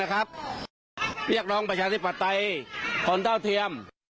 เรียกน้องประชาชนประไตยขอนเท่าเทียม